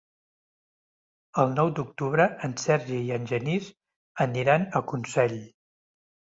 El nou d'octubre en Sergi i en Genís aniran a Consell.